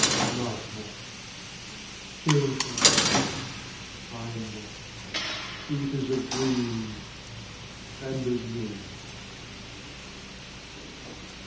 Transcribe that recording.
Night Moth, Change Moth, Time Moth, eaters of dreams and of me!